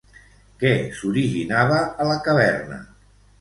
Què s'originava a la caverna?